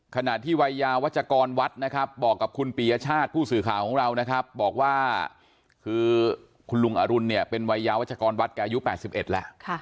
ขณะที่วัยยาวัชกรวัดนะครับบอกกับคุณปียชาติผู้สื่อข่าวของเรานะครับบอกว่าคือคุณลุงอรุณเนี่ยเป็นวัยยาวัชกรวัดแกอายุ๘๑แล้ว